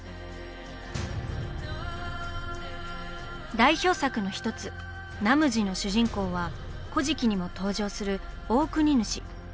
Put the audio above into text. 代表作の１つ「ナムジ」の主人公は「古事記」にも登場する大国主。